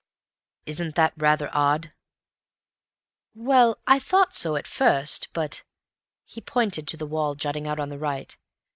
"Isn't that rather odd?" "Well, I thought so at first, but—" He pointed to the wall jutting out on the right.